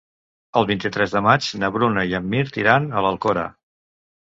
El vint-i-tres de maig na Bruna i en Mirt iran a l'Alcora.